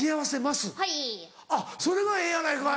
あっそれがええやないかい。